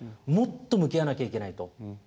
もっと向き合わなきゃいけないと。